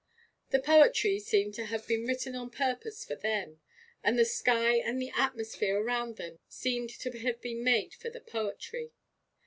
The poetry seemed to have been written on purpose for them; and the sky and the atmosphere around them seemed to have been made for the poetry.